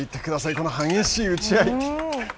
この激しい打ち合い。